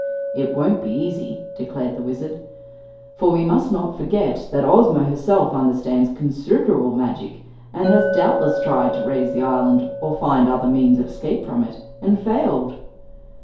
"It won't be easy," declared the Wizard, "for we must not forget that Ozma herself understands considerable magic, and has doubtless tried to raise the island or find other means of escape from it and failed."